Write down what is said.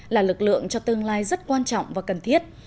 là lực lượng cho tương lai rất quan trọng và cần thiết